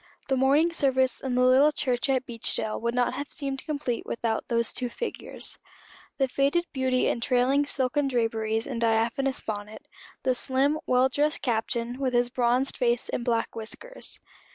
The morning service in the little church at Beechdale would not have seemed complete without those two figures. The faded beauty in trailing silken draperies and diaphanous bonnet, the slim, well dressed Captain, with his bronzed face and black whiskers.